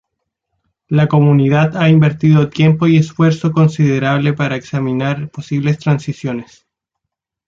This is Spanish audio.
La comunidad ha invertido tiempo y esfuerzo considerable para examinar posibles transiciones.